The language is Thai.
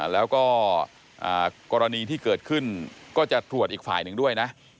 แล้วก็กรณีที่เกิดขึ้นก็จะตรวจอีกฝ่ายหนึ่งด้วยนะ